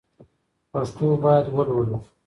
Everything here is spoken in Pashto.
پښتو باید ولولو